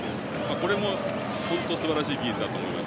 これも本当にすばらしい技術だと思います。